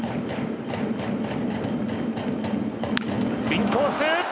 インコース。